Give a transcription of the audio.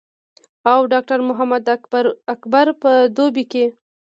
او ډاکټر محمد اکبر پۀ دوبۍ کښې